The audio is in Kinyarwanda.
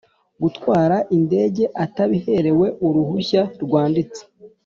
gutwara indege atabiherewe uruhushya rwanditse